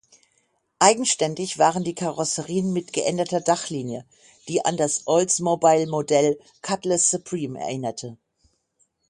Eigenständig waren die Karosserien mit geänderter Dachlinie, die an das Oldsmobile-Modell Cutlass Supreme erinnerte.